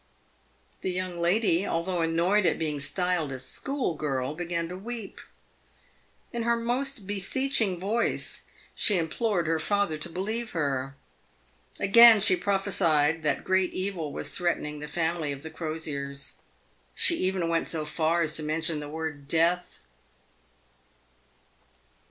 The young lady, although annoyed at being styled a school girl, began to weep. In her most beseeching voice, she implored her father to believe her. Again she prophesied that great evil was threaten ing the family of the Crosiers. She even went so far as to mention the word " death."